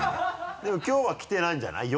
でもきょうは来てないんじゃない？